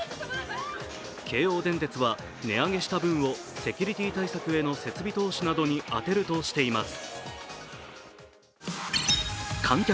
京王電鉄は、値上げした分をセキュリティー対策への設備投資などに充てるとしています。